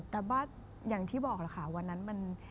แต่ว่าอย่างที่บอกล่ะค่ะวันนั้นมัน